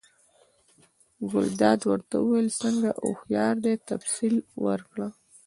ګلداد ورته وویل: څنګه هوښیار دی، تفصیل ورکړه؟